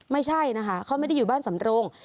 ไม่ใช่นะคะเขาไม่ได้อยู่บ้านสำโรง